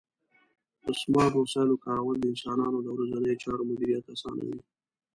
د سمارټ وسایلو کارول د انسانانو د ورځنیو چارو مدیریت اسانوي.